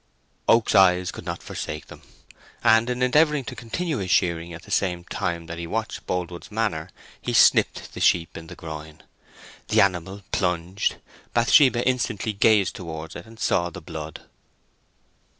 Oak's eyes could not forsake them; and in endeavouring to continue his shearing at the same time that he watched Boldwood's manner, he snipped the sheep in the groin. The animal plunged; Bathsheba instantly gazed towards it, and saw the blood.